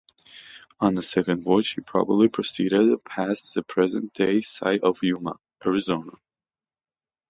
On a second voyage, he probably proceeded past the present-day site of Yuma, Arizona.